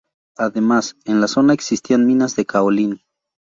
Además, en la zona existían minas de caolín.